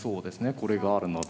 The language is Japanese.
これがあるので。